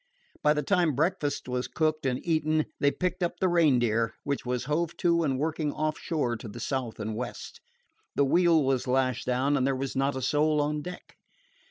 By the time breakfast was cooked and eaten they picked up the Reindeer, which was hove to and working offshore to the south and west. The wheel was lashed down, and there was not a soul on deck.